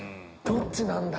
どっちなんだ？